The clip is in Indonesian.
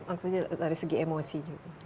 artinya dari segi emosi